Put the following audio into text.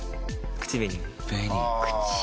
口紅？